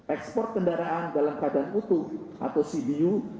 ekspor kendaraan dalam keadaan utuh atau cbu